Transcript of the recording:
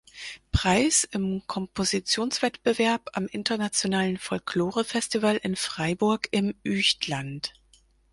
Preis im Kompositionswettbewerb am internationalen Folklorefestival in Freiburg im Üechtland.